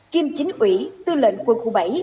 kiêm chính ủy tư lệnh quân khu bảy